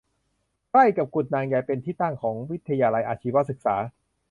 ใกล้กับกุดนางใยเป็นที่ตั้งของวิทยาลัยอาชีวศึกษา